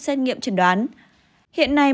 xét nghiệm chuẩn đoán hiện nay